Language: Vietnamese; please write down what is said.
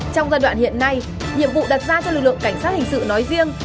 trong giai đoạn hiện nay nhiệm vụ đặt ra cho lực lượng cảnh sát hình sự nói riêng